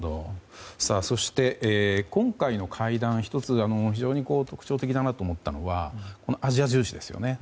そして、今回の会談で１つ、特徴的だと思ったのがアジア重視ですよね。